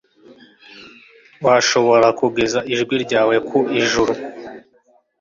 washobora kugeza ijwi ryawe ku ijuru